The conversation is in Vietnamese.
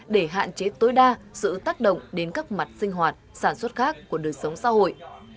để hạn chế tối đa sự tác động đến các mặt sinh hoạt sản xuất khác của đời sống xã hội